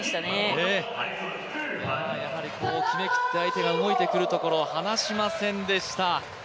決めきって、相手が動いてくるところを離しませんでした。